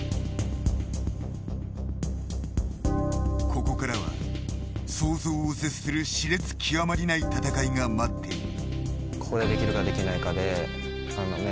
ここからは想像を絶する熾烈極まりない戦いが待っている。